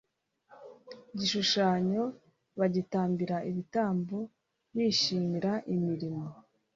gishushanyo bagitambira ibitambo bishimira imirimo